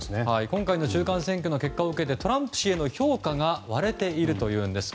今回の中間選挙の結果を受けてトランプ氏の評価が割れているというんです。